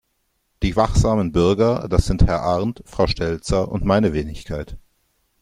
Die wachsamen Bürger, das sind Herr Arndt, Frau Stelzer und meine Wenigkeit.